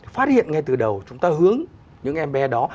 phát hiện ngay từ đầu chúng ta hướng những em bé đó